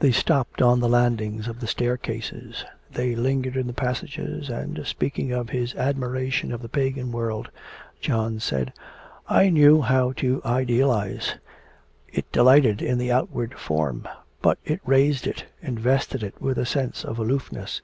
They stopped on the landings of the staircases; they lingered in the passages, and, speaking of his admiration of the pagan world, John said: 'It knew how to idealise, it delighted in the outward form, but it raised it, invested it with a sense of aloofness....